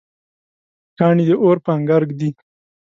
کاڼی د اور په انګار ږدي.